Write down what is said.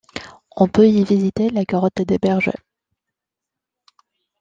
On peut y visiter la grotte des bergers.